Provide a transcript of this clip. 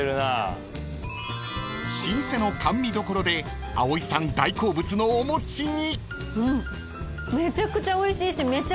［老舗の甘味処で葵さん大好物のお餅に］